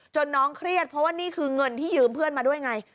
น้องเครียดเพราะว่านี่คือเงินที่ยืมเพื่อนมาด้วยไง